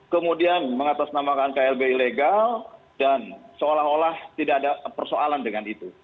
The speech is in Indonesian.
kemudian mengatasnamakan klb ilegal dan seolah olah tidak ada persoalan dengan itu